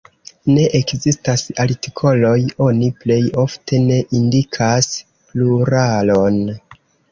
Ne ekzistas artikoloj; oni plej ofte ne indikas pluralon.